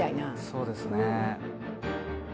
そうですね。